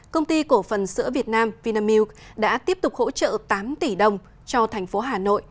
công ty cổ phần sữa việt nam vinamilk đã tiếp tục hỗ trợ tám tỷ đồng cho thành phố hà nội